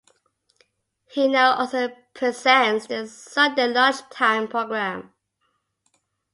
He now also presents the Sunday lunchtime programme.